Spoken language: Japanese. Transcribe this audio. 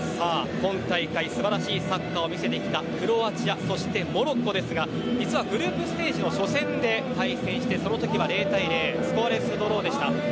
今大会、素晴らしいサッカーを見せてきたクロアチアそしてモロッコですが実はグループステージの初戦で対戦して、その時は０対０スコアレスドローでした。